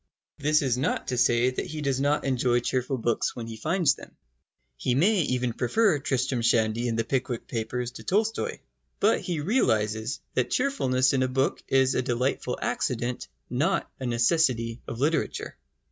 This is not to say that he does not enjoy cheerful books when he finds them. He may even prefer Tristram Shandy and The Pickwick Papers to Tolstoi. But he realises that cheerfulness in a book is a delightful accident, not a necessity of literature.